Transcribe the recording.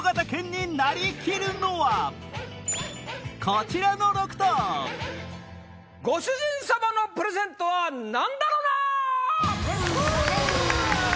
こちらの６頭ご主人様のプレゼントはなんだろな？